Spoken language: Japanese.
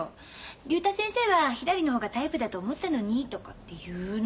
「竜太先生はひらりの方がタイプだと思ったのに」とかって言うの。